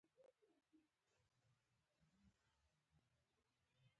افغانستان د لوگر د ساتنې لپاره قوانین لري.